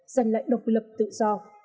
giành lại độc lập tự do